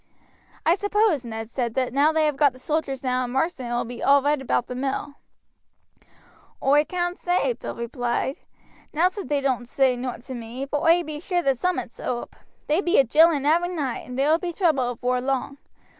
"I suppose," Ned said, "that now they have got the soldiers down in Marsden it will be all right about the mill." "Oi caan't say," Bill replied; "nateral they doan't say nowt to me; but oi be sure that some'ats oop. They be a drilling every night, and there will be trouble avore long.